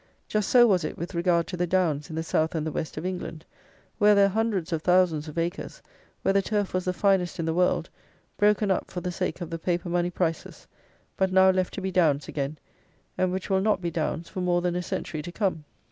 Just so was it with regard to the downs in the south and the west of England, where there are hundreds of thousands of acres, where the turf was the finest in the world, broken up for the sake of the paper money prices, but now left to be downs again; and which will not be downs for more than a century to come.